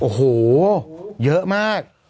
โอ้โหเยอะมาก